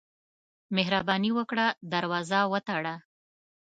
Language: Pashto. مهرباني وکړه، دروازه وتړه.